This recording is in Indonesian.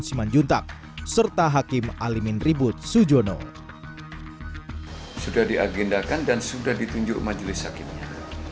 simanjuntak serta hakim alimin ribut sujono sudah diagendakan dan sudah ditunjuk majelis hakimnya